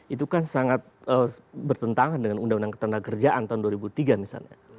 itu kan sangat bertentangan dengan undang undang ketenaga kerjaan tahun dua ribu tiga misalnya